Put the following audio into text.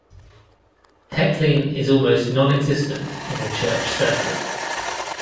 Heckling is almost nonexistent in the church circuit.